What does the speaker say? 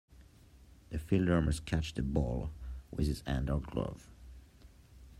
The fielder must catch the ball with his hand or glove.